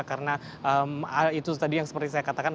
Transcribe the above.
karena itu tadi yang seperti saya katakan